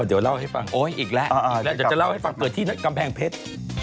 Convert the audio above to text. อีกแล้วอีกแล้วจะเล่าให้ฟังเกิดที่กำแพงเพชร